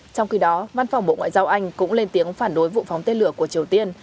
trong khi đó văn phòng bộ ngoại giao anh cũng lên tiếng phản đối vụ phóng tên lửa của triều tiên